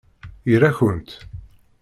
Ira-kent!